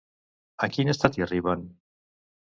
En quin estat hi arriben?